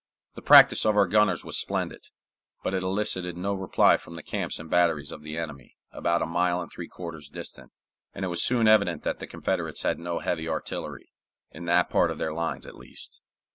The practice of our gunners was splendid, but it elicited no reply from the camps and batteries of the enemy, about a mile and three quarters distant; and it was soon evident that the Confederates had no heavy artillery, in that part of their lines at least.